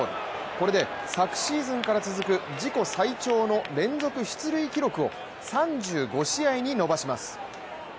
これで昨シーズンから続く自己最長の連続出塁記録を３５試合に伸ばします。